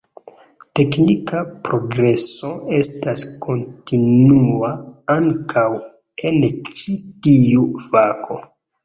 Teknika progreso estas kontinua ankaŭ en ĉi tiu fako.